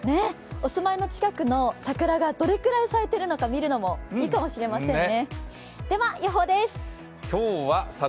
お住まいの近くの桜がどれぐらい咲いているのかを見るのもいいかもしれませんね。